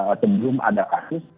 atau belum ada kasus